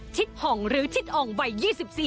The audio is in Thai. ห่องหรือชิดอ่องวัย๒๔